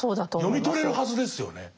読み取れるはずですよね。